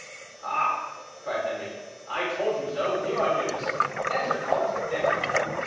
"Ah!" cried Henri, "I told you so; here are news. Enter, comte, enter."